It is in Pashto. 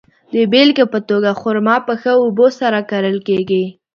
د بېلګې په توګه، خرما په ښه اوبو سره کرل کیږي.